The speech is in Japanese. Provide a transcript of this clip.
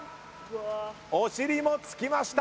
お尻もつきました。